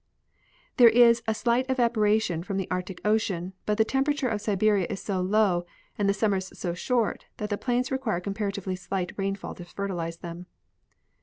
There is a slight evaporation from the Arc tic ocean, but the temperature of Siberia is so low and the summers so short that the plains require comparatively slight rainfall to fertilize them.